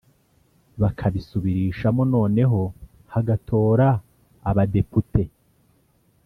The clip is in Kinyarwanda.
bakabisubirishamo noneho hagatora abadepute.